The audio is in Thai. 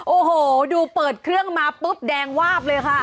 โอ้โหดูเปิดเครื่องมาปุ๊บแดงวาบเลยค่ะ